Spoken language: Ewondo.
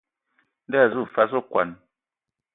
Ndɔ a azu fas okɔn.